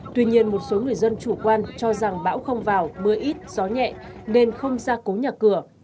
tuy nhiên một số người dân chủ quan cho rằng bão không vào mưa ít gió nhẹ nên không ra cố nhà cửa